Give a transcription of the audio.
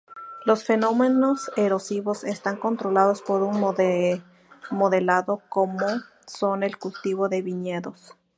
Los fenómenos erosivos están controlados por un modelado como son el cultivo de viñedos.